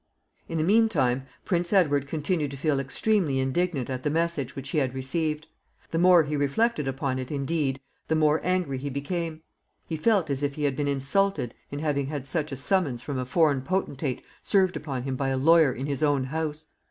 In the mean time, Prince Edward continued to feel extremely indignant at the message which he had received. The more he reflected upon it, indeed, the more angry he became. He felt as if he had been insulted in having had such a summons from a foreign potentate served upon him by a lawyer in his own house.